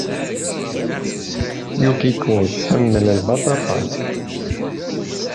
Yukiko tḥemmel lbaṭaṭa.